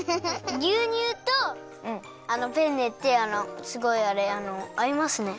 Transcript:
ぎゅうにゅうとあのペンネってすごいあれあのあいますね。